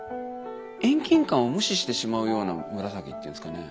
遠近感を無視してしまうような紫っていうんですかね。